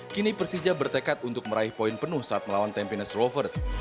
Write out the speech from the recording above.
kini persija bertekad untuk meraih poin penuh saat melawan tampines rovers